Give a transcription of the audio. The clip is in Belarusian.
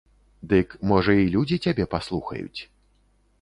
Дык, можа, і людзі цябе паслухаюць.